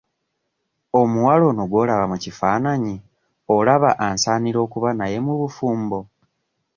Omuwala ono gw'olaba mu kifaananyi olaba ansaanira okuba naye mu bufumbo?